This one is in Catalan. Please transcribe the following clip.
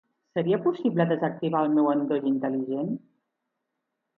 Seria possible desactivar el meu endoll intel·ligent?